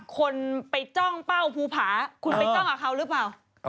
คนไปจ้องเป้าภูผาคุณไปจ้องกับเขาหรือเปล่า